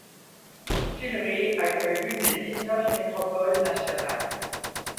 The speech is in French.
Sillery accueille l'une des dix-neuf nécropoles nationales.